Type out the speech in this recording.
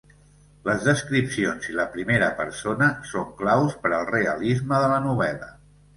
Les descripcions i la primera persona són claus per al realisme de la novel·la.